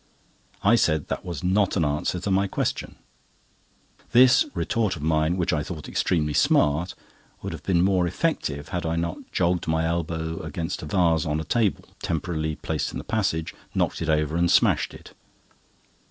I said that was not an answer to my question. This retort of mine, which I thought extremely smart, would have been more effective had I not jogged my elbow against a vase on a table temporarily placed in the passage, knocked it over, and smashed it.